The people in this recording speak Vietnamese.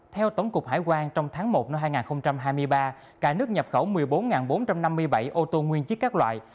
theo tổng cục hải quan trong tháng một năm hai nghìn hai mươi ba cả nước nhập khẩu một mươi bốn bốn trăm năm mươi bảy ô tô nguyên chiếc các loại